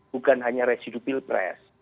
bukan hanya residu pilpres